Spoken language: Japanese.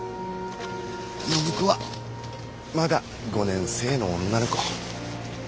暢子はまだ５年生の女の子。